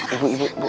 ibu ibu ibu